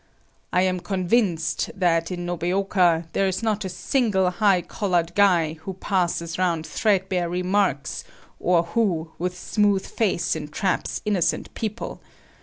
I am convinced that in Nobeoka there is not a single high collared guy who passes round threadbare remarks, or who with smooth face, entraps innocent people.